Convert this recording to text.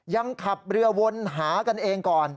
ยังขับเรือวนหากันเองก่อน